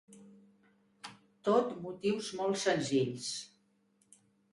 Tot motius molt senzills.